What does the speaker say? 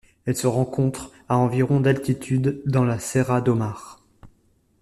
Elle se rencontre à environ d'altitude dans la Serra do Mar.